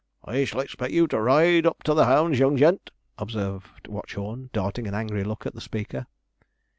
'I shall expect you to ride up to the 'ounds, young gent,' observed Watchorn, darting an angry look at the speaker.